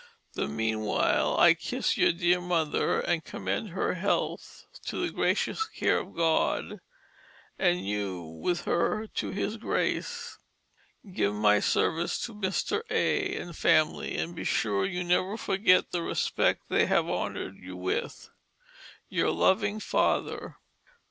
The meanwhile I kiss your dear Mother, and commend her health to the gracious care of God, and you with her to His Grace. Give my service to Mr. A. and family and be sure you never forget the respect they have honoured you with. "Your loving father.